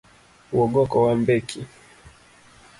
Wuog oko wambeki